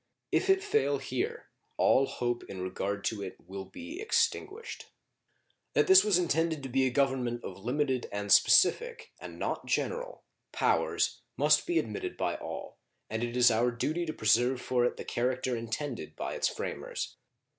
If it fail here, all hope in regard to it will be extinguished. That this was intended to be a government of limited and specific, and not general, powers must be admitted by all, and it is our duty to preserve for it the character intended by its framers.